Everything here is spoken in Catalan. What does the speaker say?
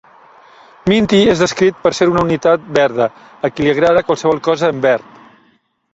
Minty es descrit per ser una unitat verda, a qui li agrada qualsevol cosa en verd.